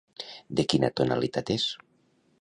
De quina tonalitat és?